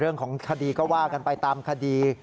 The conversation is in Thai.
เรื่องของคดีก็ว่ากันไปตามคดี